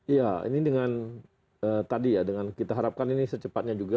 iya ini dengan tadi ya dengan kita harapkan ini secepatnya juga